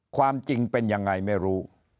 ความจริงเป็นยังไงไม่รู้